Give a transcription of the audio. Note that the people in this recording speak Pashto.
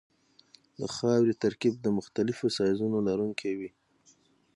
د خاورې ترکیب د مختلفو سایزونو لرونکی وي